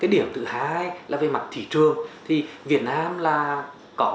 điểm thứ hai là về mặt thị trường